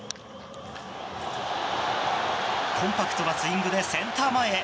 コンパクトなスイングでセンター前へ。